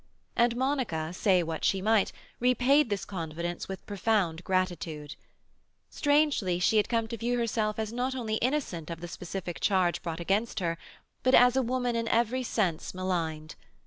And Monica, say what she might, repaid this confidence with profound gratitude. Strangely, she had come to view herself as not only innocent of the specific charge brought against her, but as a woman in every sense maligned.